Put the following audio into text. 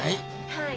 はい。